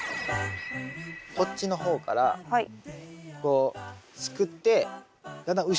こっちの方からこうすくってだんだん後ろに下がりながら。